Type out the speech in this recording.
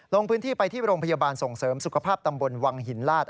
ลงพื้นที่ไปที่โรงพยาบาลส่งเสริมสุขภาพตำบลวังหินลาศ